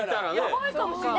やばいかもしれない。